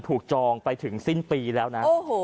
ถูกจองไปถึงสิ้นปีแล้วนะโอ้โห